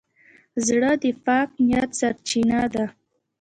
زړه د پاک نیت سرچینه ده.